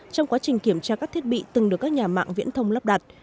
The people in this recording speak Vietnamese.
trong quá trình kiểm tra các thiết bị từng được các nhà mạng viễn thông lắp đặt